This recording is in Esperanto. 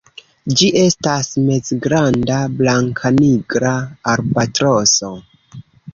Ĝi estas mezgranda blankanigra albatroso.